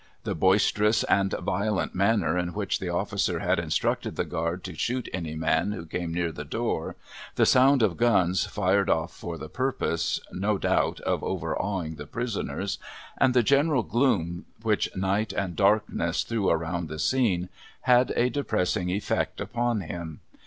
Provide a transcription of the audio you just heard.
The boisterous and violent manner in which the officer had instructed the guard to shoot any man who came near the door, the sound of guns fired off for the purpose, no doubt, of overawing the prisoners, and the general gloom which night and darkness threw around the scene, had a depressing effect upon him.